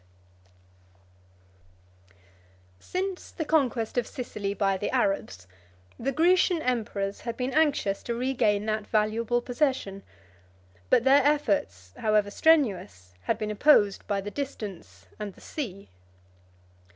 267] Since the conquest of Sicily by the Arabs, the Grecian emperors had been anxious to regain that valuable possession; but their efforts, however strenuous, had been opposed by the distance and the sea.